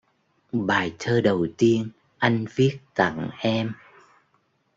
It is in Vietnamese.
Bài thơ đầu tiên anh viết tặng em